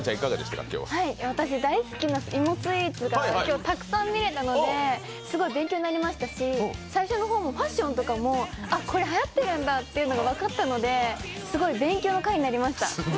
私、大好きな芋スイーツがたくさん見られたのですごい勉強になりましたしファッションとかもこれはやってるんだというのも分かったのですごい勉強の会になりました。